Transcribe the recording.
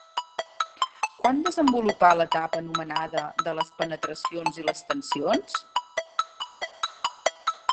Quan desenvolupà l'etapa anomenada «de les penetracions i les tensions»?